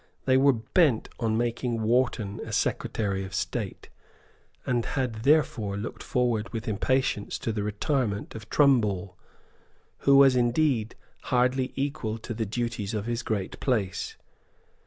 They were bent on making Wharton a Secretary of State, and had therefore looked forward with impatience to the retirement of Trumball, who was indeed hardly equal to the duties of his great place.